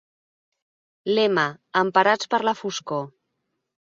Lema: "Emparats per la foscor".